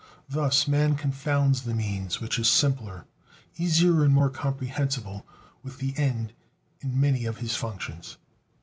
Thus man confounds the means, which is simpler, easier and more comprehensible, with the end in many of his functions.